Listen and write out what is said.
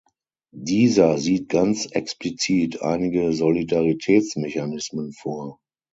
Dieser sieht ganz explizit einige Solidaritätsmechanismen vor.